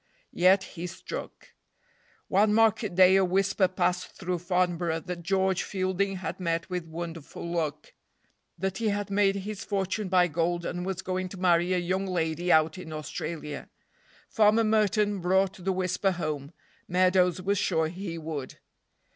Yet he struck. One market day a whisper passed through Farnborough that George Fielding had met with wonderful luck. That he had made his fortune by gold, and was going to marry a young lady out in Australia. Farmer Merton brought the whisper home. Meadows was sure he would.